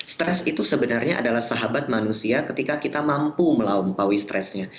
stres itu sebenarnya adalah sahabat manusia ketika kita mampu melampaui stresnya